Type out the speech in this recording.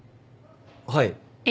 はい。